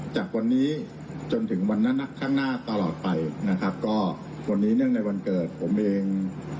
จากวันนี้จนถึงวันนั้นข้างหน้าตลอดไปนะครับก็วันนี้เนื่องในวันเกิดผมเอง